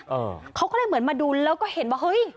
เออเขาก็เลยเหมือนมาดูแล้วก็เห็นว่าเฮ้ย